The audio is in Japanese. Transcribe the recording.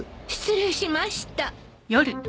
失礼しました。